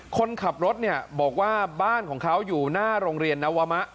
คนขับรถเนี่ยบอกว่าบ้านของเขาอยู่หน้าโรงเรียนนวมะ